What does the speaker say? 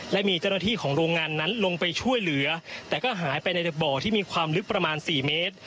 และมีเจ้าหน้าที่ของโรงงานนั้นลงไปช่วยเหลือแต่ก็หายไปในบ่อที่มีความลึกประมาณสี่เมตร